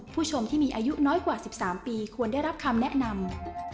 ผู้ชมที่มีอายุน้อยกว่า๑๓ปีควรได้รับคำแนะนำ